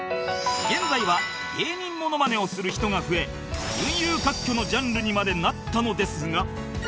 現在は芸人モノマネをする人が増え群雄割拠のジャンルにまでなったのですが